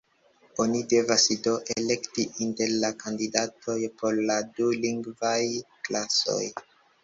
Oni devas, do, elekti inter la kandidatoj por la dulingvaj klasoj.